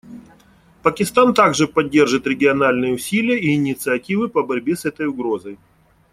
Пакистан также поддержит региональные усилия и инициативы по борьбе с этой угрозой.